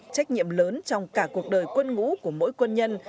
trách nhiệm lớn trong cả cuộc đời quân ngũ của mỗi quân nhân